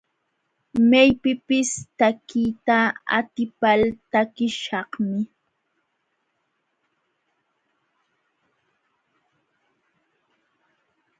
Maypipis takiyta atipal takiśhaqmi.